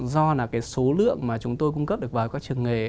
do là cái số lượng mà chúng tôi cung cấp được vào các trường nghề